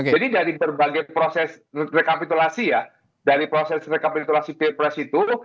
jadi dari berbagai proses rekapitulasi ya dari proses rekapitulasi pilpres itu